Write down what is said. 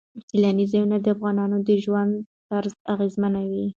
سیلانی ځایونه د افغانانو د ژوند طرز اغېزمنوي.